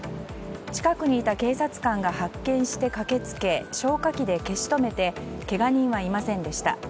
近くにいた警察官が発見して駆けつけ消火器で消し止めてけが人はいませんでした。